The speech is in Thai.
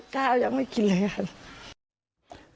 ก้าวยังไม่กินเลยค่ะ